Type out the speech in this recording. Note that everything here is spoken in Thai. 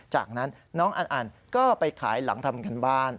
จากนั้นน้องอันก็ไปขายหลังทำการบ้าน